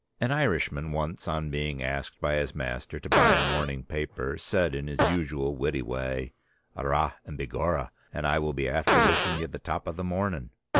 "An Irishman once on being asked by his master to buy a morning paper said in his usual witty way, 'Arrah and begorrah and I will be after wishing you the top of the morning.'"